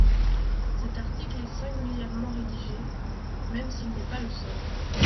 Cet article est singulièrement rédigé – même s’il n’est pas le seul.